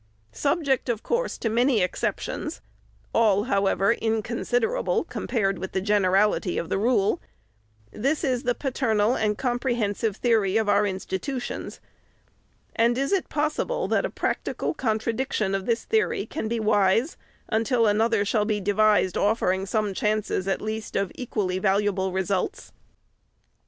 Subject, of course, to many excep tions,— all, however, inconsiderable, compared with the generality of the rule, — this is the paternal and compre hensive theory of our institutions ; and is it possible, that a practical contradiction of this theory can be wise, until another shall be devised, offering some chances at least of equally valuable results